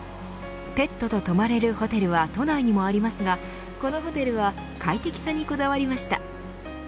ペットと泊まれるホテルは都内にもありますがこのホテルは快適さにこだわりました。